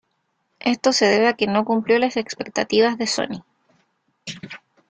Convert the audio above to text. Esto se debe a que no cumplió las expectativas de Sony.